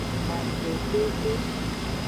Akpedodo.